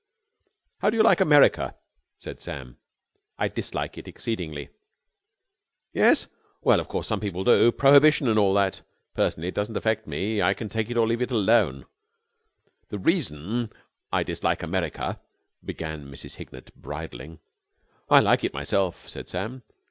"How do you like America?" said Sam. "I dislike it exceedingly." "Yes? Well, of course some people do. Prohibition and all that. Personally, it doesn't affect me. I can take it or leave it alone." "The reason I dislike America " began Mrs. Hignett bridling. "I like it myself," said Sam.